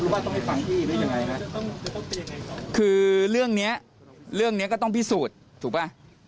ว่าต้องไปฟังพี่หรือยังไงนะคือเรื่องเนี้ยเรื่องเนี้ยก็ต้องพิสูจน์ถูกป่ะ